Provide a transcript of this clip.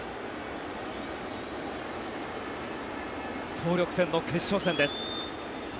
総力戦の決勝戦です。